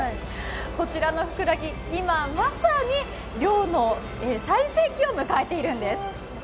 こちらのフクラギ、今まさに漁の最盛期を迎えているんです。